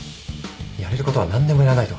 やれることは何でもやらないと。